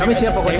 kami siap pokoknya